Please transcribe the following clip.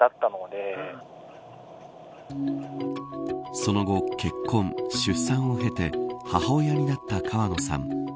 その後、結婚、出産を経て母親になった川野さん。